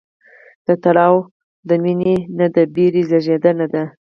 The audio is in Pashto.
دا تړاو د مینې نه، د ویرې زېږنده دی.